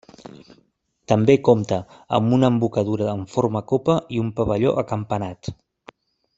També compta amb una embocadura en forma copa i un pavelló acampanat.